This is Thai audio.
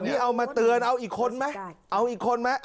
นี่เอามาเตือนเอาอีกคนไหมเอาอีกคนไหม